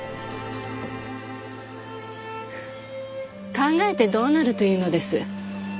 考えてどうなると言うのです。